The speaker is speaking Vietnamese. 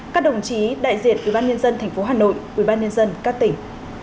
các đồng chí đại diện ủy ban nhân dân tp hà nội ủy ban nhân dân các tỉnh